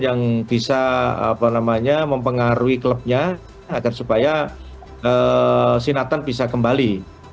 yang bisa mempengaruhi klubnya agar supaya sinathan bisa kembali